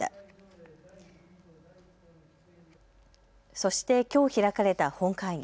そして、きょう開かれた本会議。